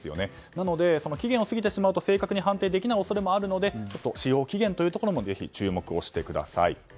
なので期限を過ぎてしまうと正確に判定できない恐れもありますので使用期限もぜひ注目をしてください。